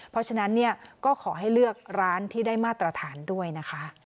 เพราะฉะนั้นเนี่ยก็ขอให้เลือกร้านที่ได้มาตรฐานด้วยนะคะ